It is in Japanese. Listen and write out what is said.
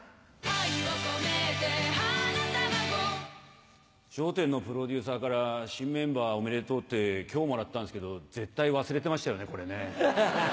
愛をこめて花束を『笑点』のプロデューサーから「新メンバーおめでとう」って今日もらったんですけど絶対忘れてましたよねこれ。